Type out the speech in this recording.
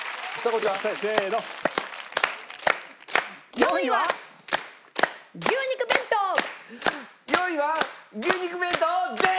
４位は牛肉弁当です！